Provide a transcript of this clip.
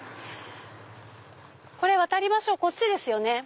これ渡りましょうこっちですよね。